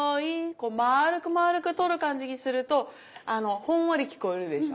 こう丸く丸くとる感じにするとほんわり聴こえるでしょ。